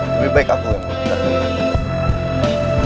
lebih baik aku yang bertingkah